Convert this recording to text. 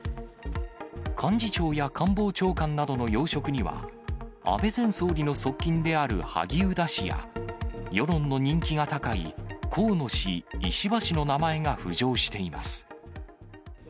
幹事長や官房長官などの要職には、安倍前総理の側近である萩生田氏や、世論の人気が高い河野氏、石破氏の名前が浮上しています。